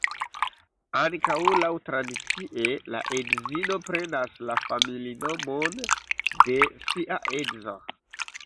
Ankaŭ laŭtradicie, la edzino prenas la familinomon de sia edzo.